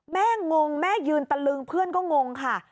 งงแม่ยืนตะลึงเพื่อนก็งงค่ะ